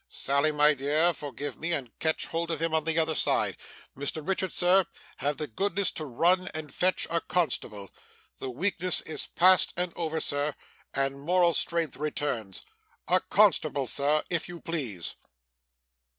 Sally my dear, forgive me, and catch hold of him on the other side. Mr Richard, sir, have the goodness to run and fetch a constable. The weakness is past and over sir, and moral strength returns. A constable, sir, if you please!